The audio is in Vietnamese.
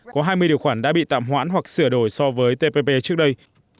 có hai mươi điều khoản đã bị tạm hoãn hoặc sửa đổi so với tpp trước đây